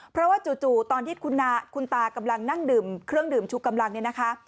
เพราะว่าจู่ตอนที่คุณตากำลังนั่งดื่มเครื่องดื่มชูกำลังเนี่ยนะคะ